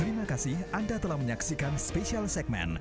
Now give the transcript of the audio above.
terima kasih anda telah menyaksikan special segmen